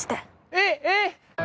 「えっ？えっ？」